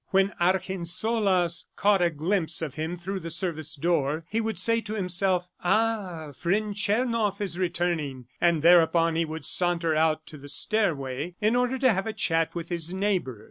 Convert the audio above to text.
When Argensola caught a glimpse of him through the service door he would say to himself, "Ah, Friend Tchernoff is returning," and thereupon he would saunter out to the stairway in order to have a chat with his neighbor.